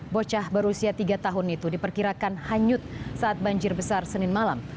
bocah berusia tiga tahun itu diperkirakan hanyut saat banjir besar senin malam